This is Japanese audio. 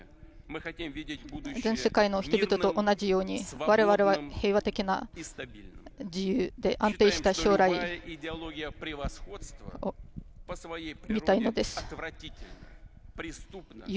全世界の人々と同じように我々は平和的な自由で安定した将来を見たいのです。